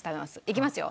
いきますよ。